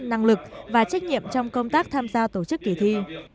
năng lực và trách nhiệm trong công tác tham gia tổ chức kỳ thi